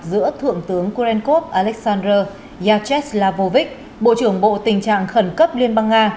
giữa thượng tướng kurenkov aleksandr yachev slavovic bộ trưởng bộ tình trạng khẩn cấp liên bang nga